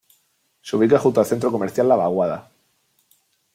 Se ubica junto al Centro Comercial La Vaguada.